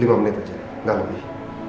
lima menit aja nggak lebih